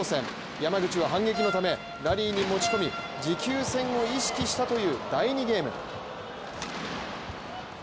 山口は反撃のため、ラリーに持ち込み持久戦を意識したという第２ゲーム。